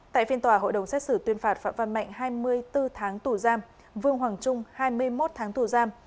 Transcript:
tại phiên tòa hội đồng xét xử tuyên phạt phạm văn mạnh hai mươi bốn tháng tù giam vương hoàng trung hai mươi một tháng tù giam